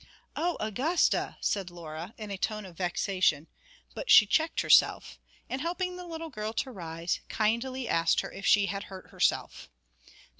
'Oh, Augusta!' said Laura, in a tone of vexation; but she checked herself, and helping the little girl to rise, kindly asked her if she had hurt herself.